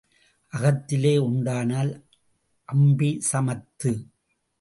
அகத்திலே உண்டானால் அம்பி சமத்து.